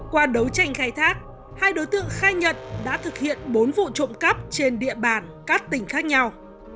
qua đấu tranh khai thác hai đối tượng khai nhận đã thực hiện bốn vụ trộm cắp trên địa bàn các tỉnh khác nhau